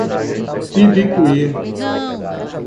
Ibicuí